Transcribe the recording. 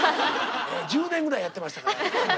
１０年ぐらいやってましたから。